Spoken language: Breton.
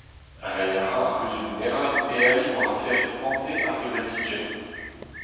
Reiñ a ra ar C'huzul-merañ e ali war aferioù pemdez ar gevredigezh.